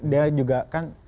dia juga kan